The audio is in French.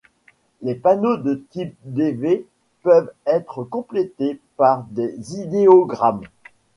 Les panneaux de type Dv peuvent être complétés par des idéogrammes.